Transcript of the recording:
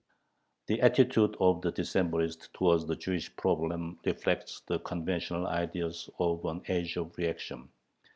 The attitude of the Decembrists towards the Jewish problem reflects the conventional ideas of an age of reaction.